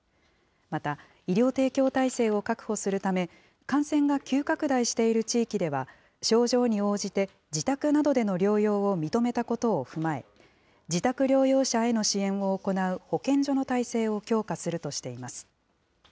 また医療提供体制を確保するため、感染が急拡大している地域では、症状に応じて自宅などでの療養を認めたことを踏まえ、自宅療養者への支援を行う保健所の体制を強化するとしています。